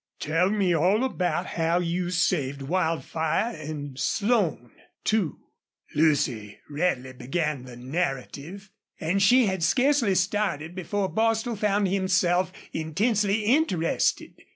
Tell me all about how you saved Wildfire, an' Slone, too." Lucy readily began the narrative, and she had scarcely started before Bostil found himself intensely interested.